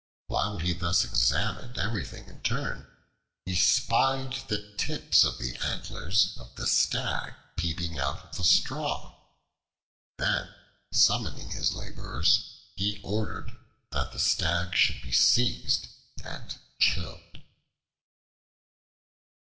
While he thus examined everything in turn, he spied the tips of the antlers of the Stag peeping out of the straw. Then summoning his laborers, he ordered that the Stag should be seized and killed.